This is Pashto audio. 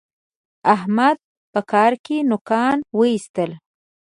احمد په کار کې نوکان واېستل.